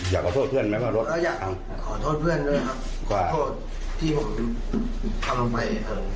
แต่ก็พาเพื่อนมาช่องพาเลยมั้ย